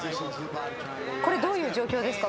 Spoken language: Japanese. これどういう状況ですか？